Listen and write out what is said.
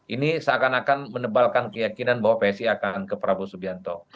ini seakan akan menebalkan keyakinan bahwa psi akan ke prabowo subianto